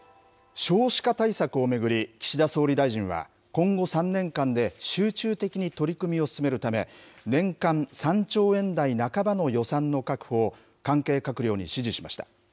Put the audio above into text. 少子化対策を巡り、岸田総理大臣は、今後３年間で集中的に取り組みを進めるため、年間３兆円台半ばの予算の確保を関係閣僚に指示しました。